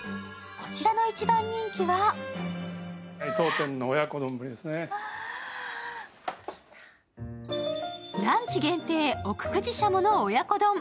こちらの一番人気はランチ限定、奥久慈しゃもの親子丼。